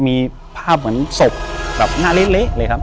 อยู่ที่แม่ศรีวิรัยิลครับ